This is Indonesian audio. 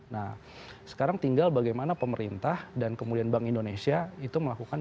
nah sekarang tinggal bagaimana pemerintah dan kemudian bank indonesia itu melakukan